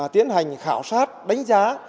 tiến hành khảo sát đánh giá